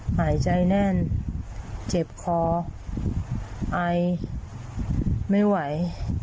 หายใจแน่นเจ็บคอไอไม่ไหว